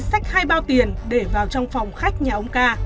sách hai bao tiền để vào trong phòng khách nhà ông ca